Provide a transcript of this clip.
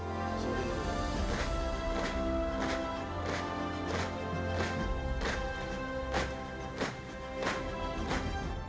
islam bensegerowana sudah mgamla